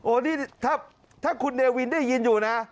นี่ถ้าคุณเนวินได้ยินอยู่นะ